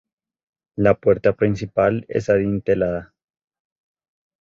La puerta principal es adintelada.